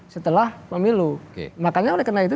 setelah pemilu makanya oleh karena itu